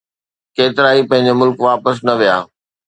ڪيترائي پنهنجي ملڪ واپس نه ويا.